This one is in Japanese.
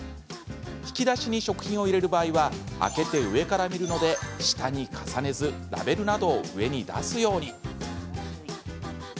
引き出しに食品を入れる場合は開けて上から見るので下に重ねずラベルなどを上に出すように。